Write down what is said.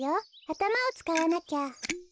あたまをつかわなきゃ。